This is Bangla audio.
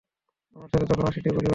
আমার সাথে তখন আশিটি পরিবার।